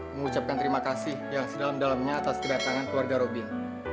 mengucapkan terima kasih yang sedalam dalamnya atas kedatangan keluarga robin